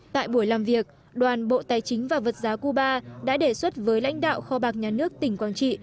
tại buổi làm việc đoàn bộ tài chính và vật giá cuba đã đề xuất với lãnh đạo kho bạc nhà nước tỉnh quảng trị